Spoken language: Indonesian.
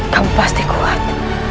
kamu pasti kuat